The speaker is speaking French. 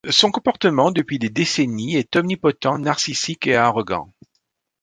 Son comportement, depuis des décennies, est omnipotent, narcissique et arrogant.